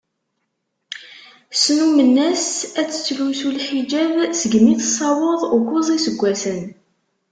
Snummen-as ad tettlusu lḥiǧab seg imi tessaweḍ ukuẓ n yiseggasen.